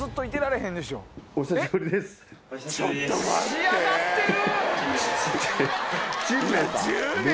仕上がってる！